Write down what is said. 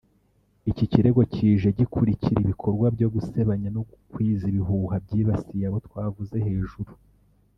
Iki kirego kije gikurikira ibikorwa byo gusebanya no gukwiza ibihuha byibasiye abo twavuze hejuru